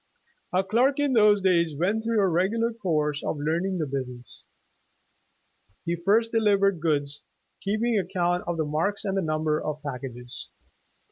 A clerk in those days went through a regular course of learning the business. He first delivered goods, keeping account of the marks and the number of packages.